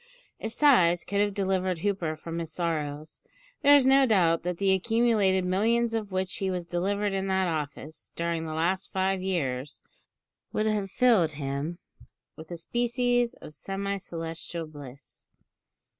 If sighs could have delivered Hooper from his sorrows, there is no doubt that the accumulated millions of which he was delivered in that office, during the last five years, would have filled him with a species of semi celestial bliss.